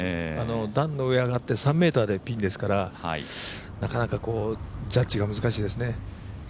段の上上がって３ｍでピンですから、なかなかジャッジが難しいですね。